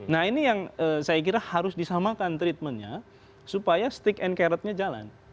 nah ini yang saya kira harus disamakan treatmentnya supaya stick and carrotnya jalan